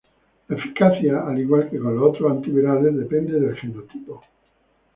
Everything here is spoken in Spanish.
La eficacia, al igual que con los otros antivirales, depende del genotipo.